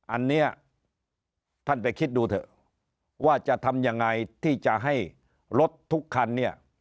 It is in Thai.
อันนี้ท่านไปคิดดูเถอะว่าจะทำยังไงที่จะให้รถทุกคันเนี่ย